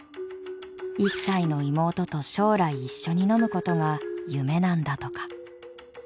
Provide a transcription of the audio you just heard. １歳の妹と将来一緒に飲むことが夢なんだとか。